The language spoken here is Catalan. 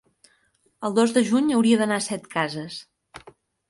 el dos de juny hauria d'anar a Setcases.